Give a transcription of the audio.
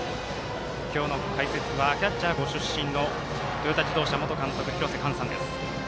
今日の解説はキャッチャーご出身のトヨタ自動車元監督の廣瀬寛さんです。